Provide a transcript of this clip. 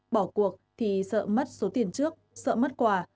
bỏ cuộc thì sợ mất số tiền trước sợ mất quà